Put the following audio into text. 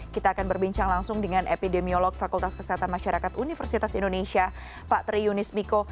kita akan berbincang langsung dengan epidemiolog fakultas kesehatan masyarakat universitas indonesia pak tri yunis miko